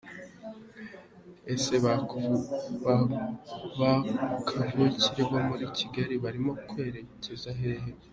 Ese ba Kavukire bo muri Kigali barimo kwerekeza hehe